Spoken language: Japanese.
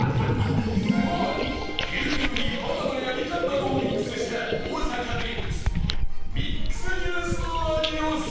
牛乳にバナナやミカンなどをミックスした大阪名物ミックスジュースの味を再現